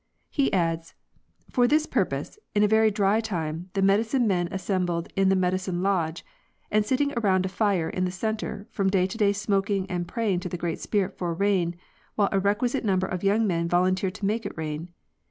He adds: For this purpose, in a very dry time, the medicine men assembled in the medicine lodge, and sitting around a fire in the center, from day to day smoking and praying to the Great Spirit for rain, while a requisite number of young men volunteered to make it rain.